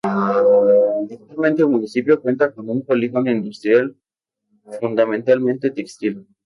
Actualmente el municipio cuenta con un polígono industrial fundamentalmente textil.